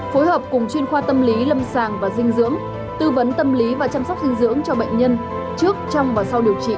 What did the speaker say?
phối hợp cùng chuyên khoa tâm lý lâm sàng và dinh dưỡng tư vấn tâm lý và chăm sóc dinh dưỡng cho bệnh nhân trước trong và sau điều trị